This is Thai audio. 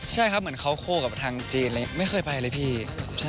ใช่ครับเหมือนเขาคู่กับทางจีนเลยไม่เคยไปเลยพี่